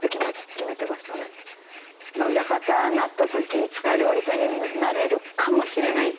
裏方なった時いつか料理家になれるかもしれない時があるんですよね。